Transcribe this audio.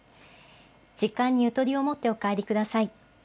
時間にゆとりを持ってお帰りください。